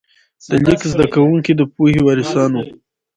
د لیک زده کوونکي د پوهې وارثان وو.